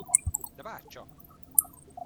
De várj csak!